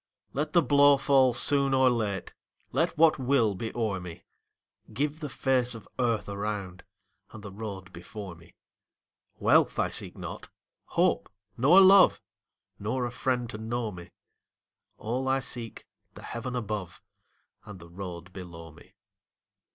Let the blow fall soon or late, Let what will be o'er me; Give the face of earth around And the road before me. Wealth I seek not, hope nor love, Nor a friend to know me; All I seek, the heaven above And the road below me.